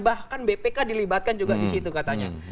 bahkan bpk dilibatkan juga di situ katanya